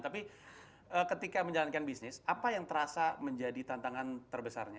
tapi ketika menjalankan bisnis apa yang terasa menjadi tantangan terbesarnya